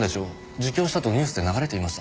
自供したとニュースで流れていました。